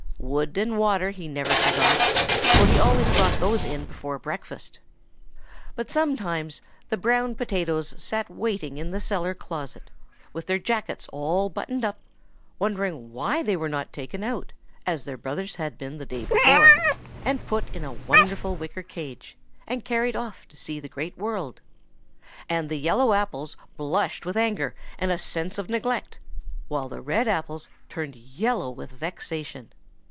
Wood and water he never forgot, for he always brought those in before breakfast. But sometimes the brown potatoes sat waiting in the cellar closet, with their jackets all buttoned up, wondering why they were not taken out, as their brothers had been the day before, and put in a wonderful wicker cage, and carried off to see the great world. And the yellow apples blushed with anger and a sense of neglect; while the red apples turned yellow with vexation.